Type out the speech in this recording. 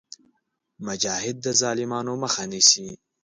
مجاهد د ظالمانو مخه نیسي.